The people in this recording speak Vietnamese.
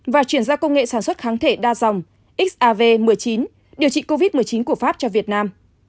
và chuyển giao công nghệ sản xuất kháng thể đa dòng xav một mươi chín điều trị covid một mươi chín của pháp cho việt nam